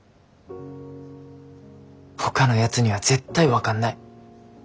ほかのやつには絶対分かんない。